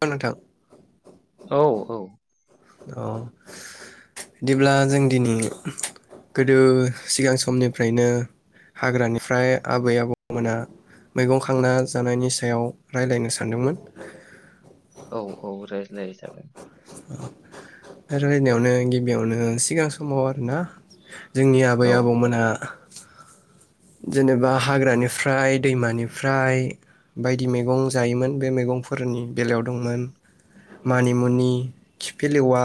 खोनादों औ औ अ बिदिब्ला जों दिनै गोदो सिगां समनिफ्रायनो हाग्रानिफ्राय आबै-आबौमोना मैगं खांना जानायनि सायाव रायलायनो सानदोंमोन। औ औ रायलाय जागोन रायलानायावनो गिबियावनो सिगां समाव आरोना जोंनि औ आबै-आबौमोनहा जेनेबा हाग्रानिफ्राय दैमानिफ्राय बायदि मैगं जायोमोन बे मैगंफोरनि बेलायाव दंमोन मानिमुनि, खिफिलेवा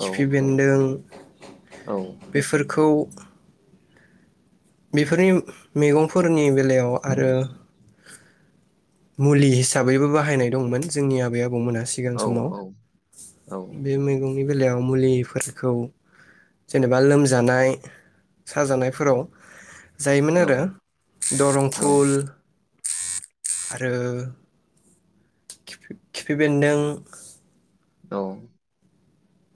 खिफि औ बेन्दों औ बेफोरखौ बेफोरनि मैगंफोरनि बेलायाव आरो मुलि हिसाबैबो बाहायनाय दंमोन जोंनि आबै आबौ मोना सिगां औ समाव औ बे बेलायाव मुलिफोरखौ जेनेबा लोमजानाय साजानायफोराव जायोमोन औ आरो दरं फुल आरो खिफि खिफि बेन्दों औ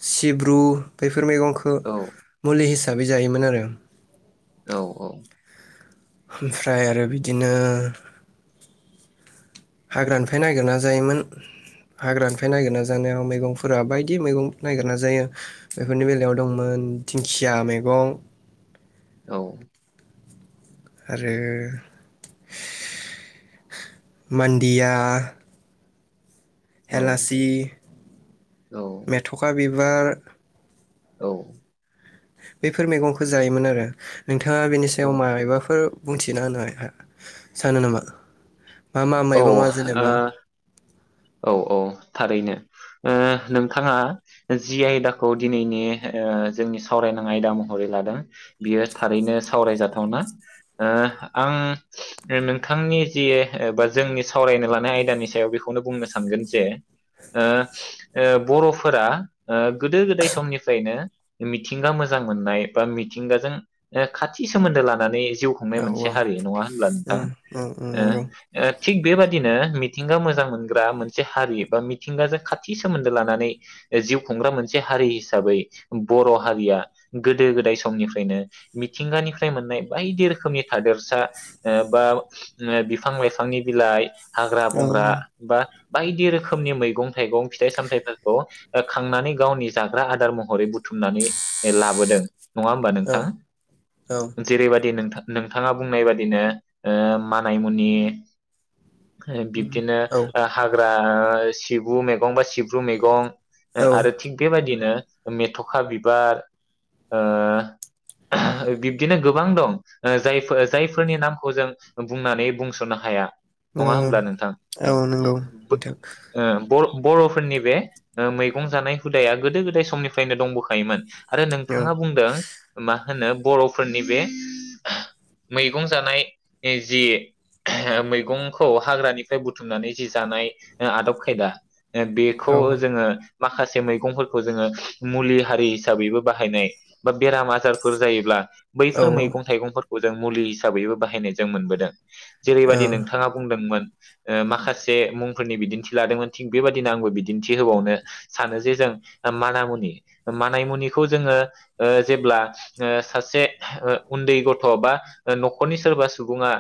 सिब्रु बे फोर मैगंखौ मुलि हिसाबै बै जायोमोन आरो औ औ ओमफ्राय आरो बिदिनो हाग्रानिफ्राय नागिरना जायोमोन हाग्रानिफ्राय नागिरना जानायाव मैगंफोरा बायदि मैगं नागिरना जायो बेफोरनि बेलायाव दंमोन दिंखिया मैगं औ आरो मान्दिया हेलासि, मेथखा बिबा बार औ बेफोर मैगंखौ जायोमोन आरो नोंथाङा बेनि सायाव औ मायबाफोर बुंथिना होनो सानो नामा मा मा औ मैगङा जेनेबा औ औ औ थारैनो नोंथाङा जि आयदाखौ दिनैनि जोंनि सावरायनां आयदा महरै लादों बियो थारैनो सावरायजाथावना ओ आं नोंथांनि जि बा जोंनि सावरायनो लानाय आयदानि सायाव बेखौनो बुंनो सानगोन जे बरफोरा गोदो गोदाय समनिफ्रायनो मिथिंगा मोजां मोननाय बा मिथिंगाजों खाथि सोमोन्दो लानानै जिउ खुंनाय औ मोनसे हारि नङा होनब्ला नोंथां? उम उम उम नंगौ थिग बेबादिनो मिथिंगा मोजां मोनग्रा मोनसे हारि बा मिथिंगाजों खाथि सोमोन्दो लानानै जिउ खुंग्रा मोनसे हारि हिसाबै बर हारिया गोदो गोदाय समनिफ्रायनो मिथिंगानिफ्राय मोननाय बायदि रोखोमनि हादेरसा बा बिफां लाइफां आफांनि बिलाइ हाग्रा औ बंग्रा बा बायदि रोखोमनि मैगं थाइगं फिथाइ सामथायाइफोरखौ खांनानै गावनि जाग्रा आदार महरै बुथुमनानै लाबोदों। नङा होमबा औ नोंथाङा औ जेरैबायदि नोंथां नोंथाङा बुंनाय बादिनो मानायमुनि उम बिब्दिनो औ ओ हाग्रा सिबु मैगं बा सिब्रु मैगं औ आरो थिक बेबायदिनो मेथखा बिबार बिब्दिनो गोबां दं जायफोर जायफोरनि नामखौ जों बुंनानै बुंसनो हाया नङा होमब्ला औ नोंथां औ नंगौ नोंथां [unintelligible] बरफोरनि बे मैगं जानाय हुदाया गोदो गोदाय समनिफ्रायनो दंबोखायोमोन। आरो औ नोंथाङा बुंदों मा होनो बरफोरनि बे मैगं जानाय जि मैगं मैगंखौ हाग्रानिफ्राय बुथुमनानै जि जानाय आदब खायदा बेखौ औ जोङो माखासे मैगंफोरखौ जोङो मुलि हारि हिसाबैबो बाहायनाय बा बेराम आजारफोर जायोब्ला औ बैफोर मैगं थाइगं खौ जों मुलि हिसाबैबो बाहायनाय जों मोनबोदों। जेरैबायदि नोंथां माखासे मुंफोरनि बिदिन्थि लादोंमोन थिग बेबादिनो आंबो बिदिन्थि होबावनो सानो जे जों मानामुनि मानमुनिखौ जोङो जेब्ला सासे उन्दै गथ बा नखरनि सोरबा सुबुङा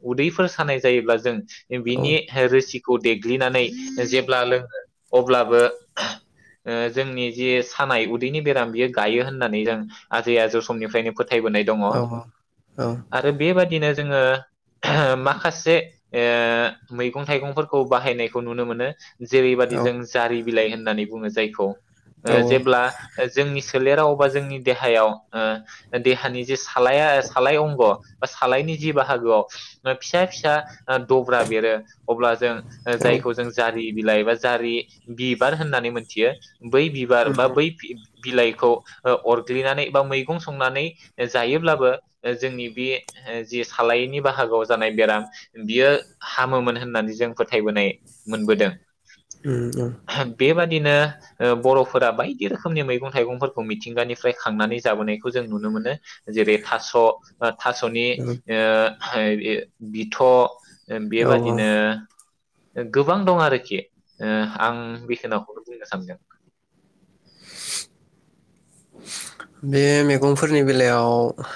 उदैफोर सानाय जायोब्ला जों औ उम बिनि रोसि खौ देग्लिनानै जेब्ला लोङो अब्लाबो जोंनि ज सानाय उदैनि बेराम बियो गायो होननानै जों आजै आजौ समनिफ्रायनो फोथायबोनाय दङ आरो बेबादिनो जोङो माखासे मैगं थाइगंफोरखौ बाहायनायखौ नुनो मोनो जेरैबायदि जों जारि बिलाइ होननानै बुङो जायखौ। ओ जेब्ला जोंनि सोलेराव बा जोंनि देहायाव ओ देहानि जे सालाया सालाय अंग बा सालायनि जि बाहागोआव मा फिसा फिसा ओ दब्रा बेरो अब्ला जों ओ जायखौ जों जारि बिलाइ एबा जारि बिबार होननानै मोनथियो बै बिबार बा बै बिलाइखौ ओ अरग्लिनानै बा मैगं संनानै जायोब्लाबो ओ जोंनि बे ओ जि सालायनि बाहागोआव जानाय बेराम बियो हामोमोन होननानै जों फोथायबोनाय मोनबोदों। उम औ दिनो ओ बरफोरा बायदि रोखोमनि मैगं थाइगंफोरखौ मिथिंगानिफ्राय खांनानै जाबोनायखौ जों नुनो मोनो। जेरै थास ओ थासनि ओ [unintelligible] बिथ ओ औ बेबादिनो ओ गोबां दं आरोखि ओ आं बेखिनाखौनो बुंनो सान्दों। बे मैगंफोरनि बेलायाव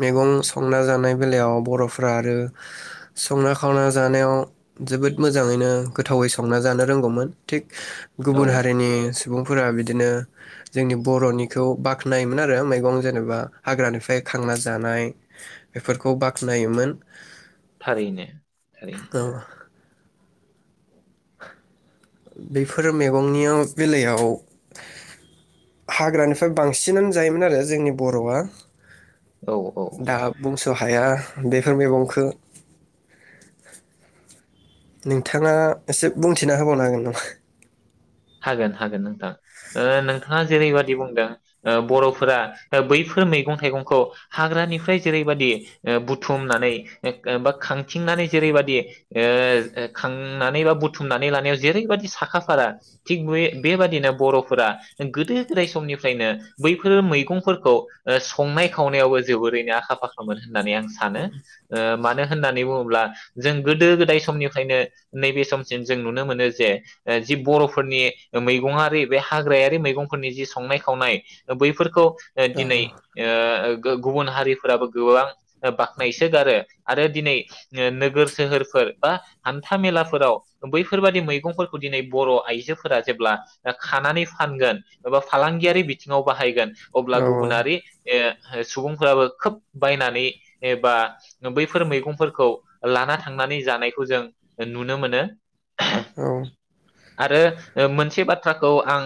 मैगं संना जानाय बेलायाव बरफ्रा आरो संना खावना जानायाव जोबोद मोजाङैनो गोथावै संना जानो रोंगौमोन थिग औ गुबुन हारिनि सुबुंफोरा बिदिनो जोंनि बरनिखौ बाख्नायोमोन आरो मैगं जेनेबा हाग्रानिफ्राय खांना जानाय बेफोरखौ बाख्नायोमोन। थारैनो थारैनो औ बेफोर मैगंनियाव बेलायाव हाग्रानिफ्राय बांसिनानो जायोमोन आरो जोंनि बरआ। औ औ दा बुंस हाया बेफोर मैगंखो। नोंथाङा एसे बुंथिना होबावनो हागोन नामा? हागोन हागोन नोंथां ओ नोंथाङा जेरैबादि बुंदों ओ बरफोरा बैफोर मैगं थाइगंखौ हाग्रानिफ्राय जेरैबादि ओ बुथुमनानै ओ ओबा खांथिंनानै जेरैबदि ओ ओ खांनानै बा बुथुमनानै लानायाव जेरैबायदि साखा फारा थिग बे बेबादिनो बर'फोरा गोदो गोदाय समनिफ्रायनो बैफोरो मैगंफोरखौ ओ संनाय खावनायावबो जोबोरैनो आखा फाखामोन होननानै आं सानो ओ मानो होननानै बुङोब्ला जों गोदो गोदाय समनिफ्रायनो नैबे समसिम जों नुनो मोनो जे ओ जि बर' फोरनि मैगङारि बे हाग्रायारि मैगंफोरनि जि संनाय खावनाय बैफोर खौ ओ हागोन दिनै ओ गो गुबुन हारिफ्राबो गोबां बाख्नायसोगारो आरो दिनै ओ नोगोर सोहोरफोर बा हान्था मेलाफोराव बैफोरबादि मैगंफोरखौ दिनै बर' आइ जोफोरा जेब्ला खानानै फानगोन एबा फालांगियारि बिथिङाव बाहायगोन नामा? अब्ला औ गुबुनारि ओ खाय सुबुंफोराबो खोब बायनानै एबा बैफोर मैगंफोरखौ लाना थांनानै जानायखौ जों नुनो मोनो। औ आरो ओ मोनसे बाथ्राखौ आं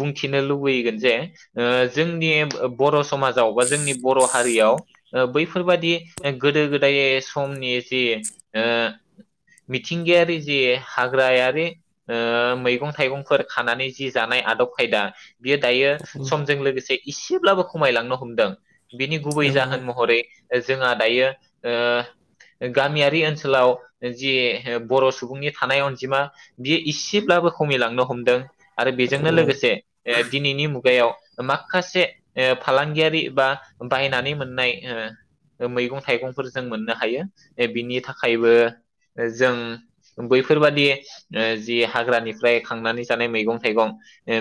बुंथिनो लुबैगोन जे ओ जोंनि बर समाजाव बा जोंनि बर हारियाव ओ बैफोरबादि गोदो गोदाय समनि जे ओ मिथिंगायारि जे हाग्रायारि ओ मैगं-थ थाइगंफोर खानानै जि जानाय आदब खायदा बियो दायो औ समजों लोगोसे इसेब्लाबो खमायलांनो हमदों बिनि औ गुबै जाहोन महरै जोंहा दायो ओ गामियारि ओनसोलाव जि बर सुबुंनि थानाय अनजिमा बियो एसेब्लाबो खमिलांनो हमदों। आरो बेजोंनो लोगोसे ए दिनैनि मुगायाव माखासे फालांगियारि बा बायनानै मोननाय ओ मैगं- थाइगंफोर जों मोननो हायो बिनि थाखायबो जों बैफोरबादि जि हाग्रानि [unintelligible] खांनानै जानाय मैगं-थाइगं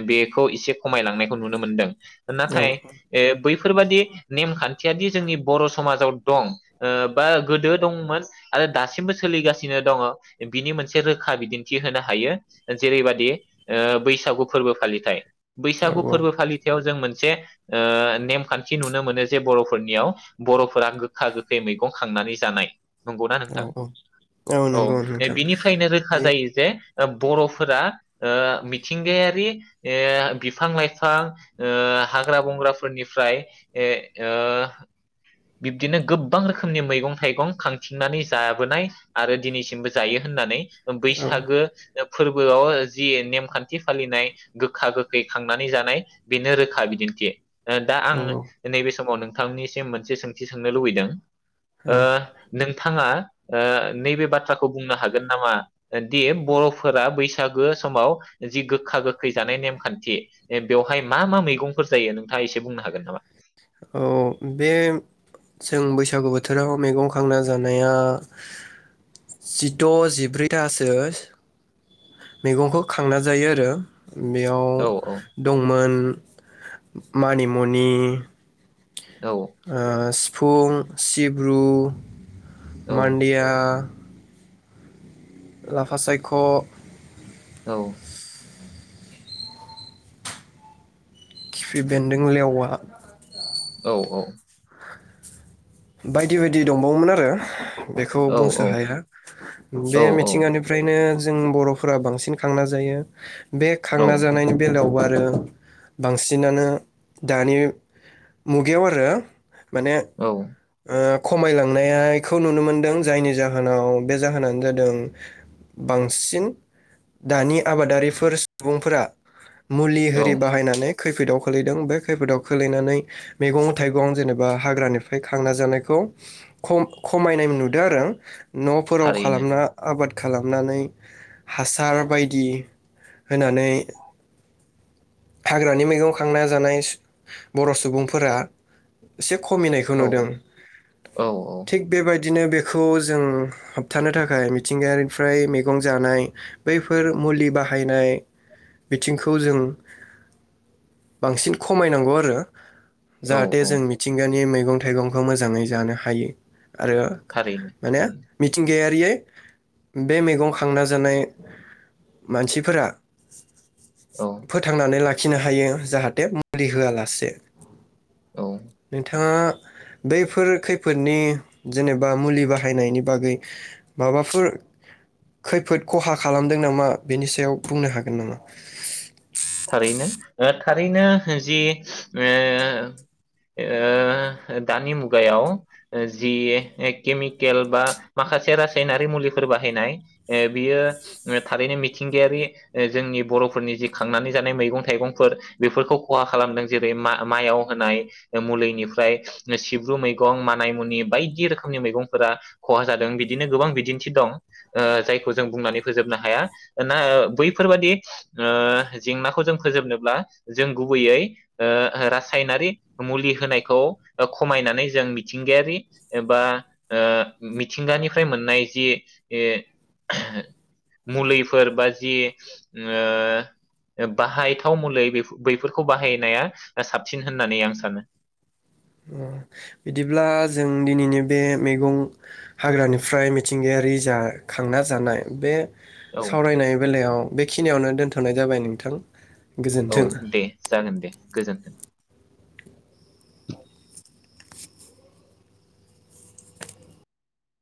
बेखौ एसे खमायलांनायखौ नुनो मोनदों नाथाय ए बैफोरबादि नेमखान्थियादि जोंनि बर समाजाव दं ओ बा गोदो दंमोन आरो दासिमबो सोलिगासिनो दङ बिनि मोनसे रोखा बिदिन्थि होनो हायो। जेरैबादि बैसागु फोरबो फालिथाय। बैसागु औ फोरबो फालिथायाव जों मोनसे - जे ओ मोनसे नेमखान्थि नुनो मोनो जे बर फोरनियाव बर फोरा गोखा-गोखै मैगं खांनानै जानाय। नंगौना औ नोंथां औ औ नंगौ नोंथां बिनिफ्रायनो रोखा बे जायो जे ओबरफ फोरा ओ मिथिंगायारि बिफां-लाइफां ओ हाग्रा बंग्राफोरनिफ्राय ए ओ बिब्दिनो गोबां रोखोमनि मैगं-थाइगं खांथिंनानै जाबोनाय आरो दिनैसिमबो जायो होननानै। औ बैसागो फोरबोआव जि नेमखान्थि फालिनाय गोखा-गोखै खांनानै जानाय बेनो रोखा बिदिन्थि। ओ दा औ आंङो नैबे समाव नों नोंथांनिसिम मोनसे सोंथि सोंनो लुबैदों? औ ओ नों नोंथाङा ओ नैबे बाथ्राखौ बुंनो हागोन नामा दि बर फोर बैसागो समाव जि गोखा-गोखै जानाय नेमखान्थि बेवहाय मा मा मैगंफोर जायो नोंथाङा एसे बुंनो हागोन नामा? औ बे जों बैसागु बोथोराव मैगं खांना जानाया जिद जिब्रैथासो मैगंखौ खांना जायो आरो बेयाव औ दंमोन। मानिमुनि औ ओ सिफ फुं सिब्रु औ मानडिया लाफासायख औ खिफि बेन्दों लेवा औ औ। बायदि बायदि दंबावोमोन आरो। बेखौ बुंसो औ औ हाया बे औ मिथिंगानिफ्रायनो जों बर'फोरा बांसिन खांना जायो। बे खांना औ जानायनि बेलायावबा आरो बांसिनानो दानि मुगायाव आरो। माने औ ओ खमायलांनायायखौ नुनो मोनदों जायनि जाहोनाव बे जाहोनानो जादों बांसिन दानि आबादारिफोर सुबुंफोरा मुलि होरि औ बाहायनानै खैफोदाव खोलैदों बे खैफोदाव खोलैनानै मैगं थाइगं जेनेबा हाग्रानिफ्राय थांना जानायखौ खम-खमायनाय नुदों आरो। नफोराव थारैनो खालामना आबाद खालामनानै हासार बायदि होनानै। हाग्रानि मैगं खांना जानाय सु बर' सुबुंफोरा एसे खमिनायखौ औ नुदों औ थिक बेबायदि दिनो बेखौ जों होबथानो थाखाय मिथिंगायारिफ्राय मैगं जानाय बैफोर मुलि बाहायनाय बिथिंखौ जों बांसिन खमायनांगौ आरो। औ जाहाथे औ जों मिथिंगानि मै मैगं थाइगंखौ मोजाङै जानो हायो। आरो थारैनो माने थारैनो मिथिंगाया बोयै बे मैगं खांना जानाय मानसिफोरा औ। नानै लाखिनो हायो जाहाथे मुलि होआलासे औ नोंथाङा बैफोर खैफोदनि जेनेबा मुलि बाहायनायनि बागै माबाफोर खैफोद खहा खालामदों नामा बेनि सायाव बुंनो हागोन नामा? थारैनो ओ थारैनो जि ओ ओ दानि मुगायाव ओ जि केमिकेल बा माखासे रासायनारि मुलिफोर बाहायनाय ए बियो थारैनो मिथिंगायारि ओ जोंनि बर'फोरनि जि खांनानै जानाय मैगं थाइगंफोर बेफोरखौ खहा खालामदों जेरै मा-माइआव होनाय मुलिनिफ्राय सिब्रु मैगं मानायमुनि बायदि रोखोमनि मैगंफोरा खहा जादों बिदिनो गोबां बिदिन्थि दं ओ जायखौ जों बुंनानै फोजोबनो हाया ना बैफोरबादि ओ जेंनाखौ जों फोजोबनोब्ला जों गुबैयै ओ रासायनारि मुलि होनायखौ खमायनानै जों मिथिंगायारि बा ओ मिथिंगानिफ्राय मोननाय जि ए मुलैफोर बा जि ओ बाहायथाव मुलै बैफोरखौ बाहायनाया साबसिन होननानै आं सानो। बिदिब्ला जों दिनैनि बे मैगं हाग्रानिफ्राय मिथिंगायारि जा खांना जानाय बे औ सावरायनाय बेलायाव बेखिनियावनो दोनथनाय जाबाय नोंथां। औ गोजोन्थों। दे जागोन दे गोजोन्थों।